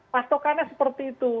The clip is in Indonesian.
pastokannya seperti itu